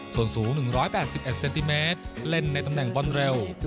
ส่วนสูง๑๘๑เซนติเมตรเล่นในตำแหน่งบอลเร็ว